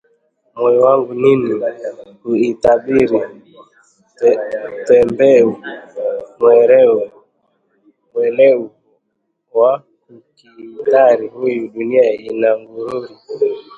Moyo wangu nini huitabiri? Twambe u mwelevu wa kukhitari, Huyui dunia ina ghururi?